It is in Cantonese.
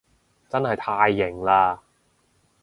真係太型喇